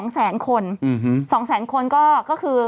๒แสนคน๒แสนคนก็คือ